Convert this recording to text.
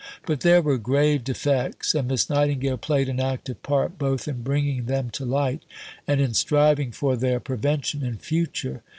But there were grave defects, and Miss Nightingale played an active part both in bringing them to light and in striving for their prevention in future.